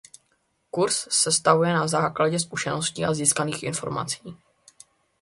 Kurz sestavuje na základě zkušeností a získaných informací.